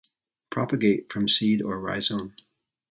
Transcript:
Propagate from seed or rhizome.